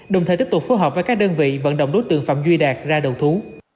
đồng thời tiếp tục phối hợp với các đơn vị vận động đối tượng phạm duy đạt ra đầu thú